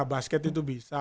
basket itu bisa